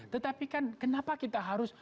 tetapi kan kenapa kita harus